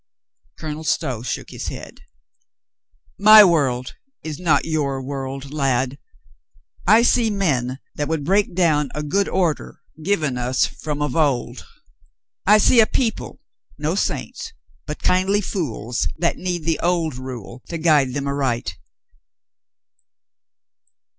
Colonel Stow shook his head. "My world is not your world, lad. I see men that would break down a good order given us from of old. I see a people, no saints, but kindly fools, that need the old rule to guide them aright.